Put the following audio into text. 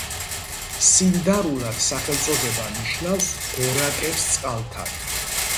სინდარულად სახელწოდება ნიშნავს „გორაკებს წყალთან“.